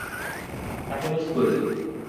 তাকে মিস করি।